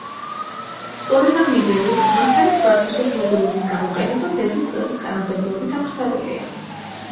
სწორედ ამ მიზეზით, მანქანის მართვისას მობილურის გამოყენება ბევრი ქვეყნის კანონმდებლობით აკრძალულია.